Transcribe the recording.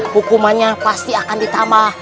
hukumannya pasti akan ditambah